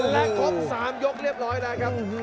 และครบ๓ยกเรียบร้อยแล้วครับ